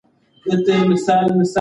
ده د خپل نوم پر ځای د نظام فکر کاوه.